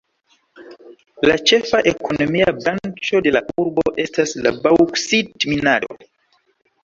La ĉefa ekonomia branĉo de la urbo estas la baŭksit-minado.